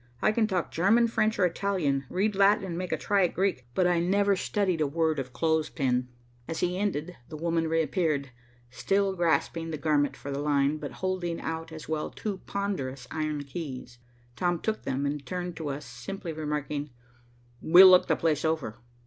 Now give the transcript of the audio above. "I can talk German, French or Italian, read Latin and make a try at Greek, but I never studied a word of Clothespin." As he ended, the woman reappeared, still grasping the garment for the line, but holding out as well two ponderous iron keys. Tom took them and turned to us, simply remarking, "We'll look the place over."